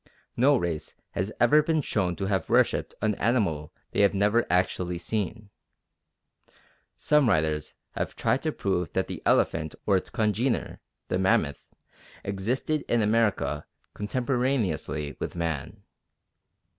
No race has ever been shown to have worshipped an animal they have never actually seen. Some writers have tried to prove that the elephant or its congener, the mammoth, existed in America contemporaneously with man.